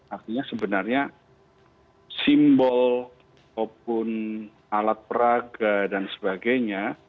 artinya sebenarnya simbol ataupun alat peraga dan sebagainya